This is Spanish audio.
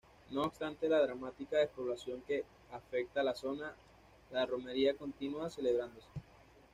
No obstante la dramática despoblación que afecta la zona, la romería continúa celebrándose.